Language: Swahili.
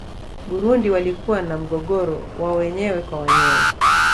burundi walikuwa na mgogoro wa wenyewe kwa wenyewe